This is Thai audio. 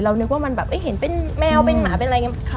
นึกว่ามันแบบเห็นเป็นแมวเป็นหมาเป็นอะไรอย่างนี้